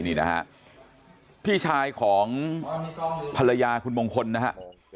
นี่นะฮะพี่ชายของภรรยาคุณมงคลนะฮะ